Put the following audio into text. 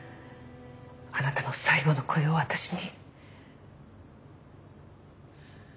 あなたの最期の声を私に。